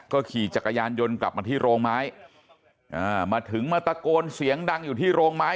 ขี่จักรยานยนต์กลับมาที่โรงไม้อ่ามาถึงมาตะโกนเสียงดังอยู่ที่โรงไม้